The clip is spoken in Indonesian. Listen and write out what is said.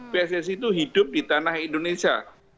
pssi itu hidup di tanah indonesia